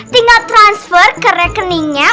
tinggal transfer ke rekeningnya